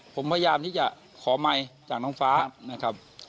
ผมพยายามที่จะขอไมค์จากน้องฟ้านะครับ